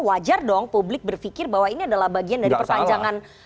wajar dong publik berpikir bahwa ini adalah bagian dari perpanjangan